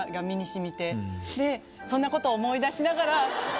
そんなことを思い出しながら。